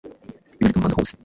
biboneka mu Rwanda hose